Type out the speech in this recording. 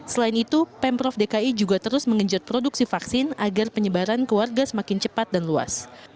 selain itu pemprov dki juga terus mengejar produksi vaksin agar penyebaran ke warga semakin cepat dan luas